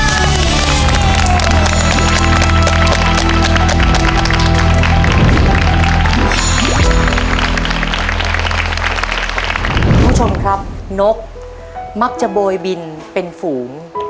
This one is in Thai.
คุณผู้ชมครับนกมักจะโบยบินเป็นฝูง